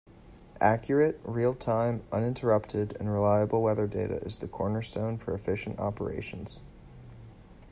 Accurate, real-time, uninterrupted and reliable weather data is the cornerstone for efficient operations.